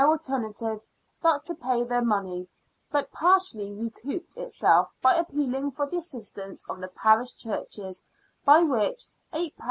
alternative but to pay the mone}', but partially recouped itself by appealing for the assistance of the parish churches, by which £8 13s.